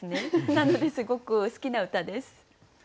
なのですごく好きな歌です。